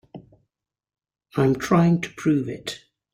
I'm trying to prove it.